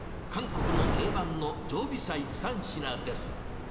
韓国の定番の常備菜３品です。